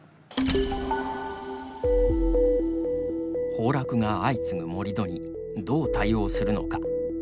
崩落が相次ぐ盛り土にどう対応するのか。